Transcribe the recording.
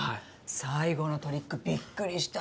最後のトリックびっくりしたわよね。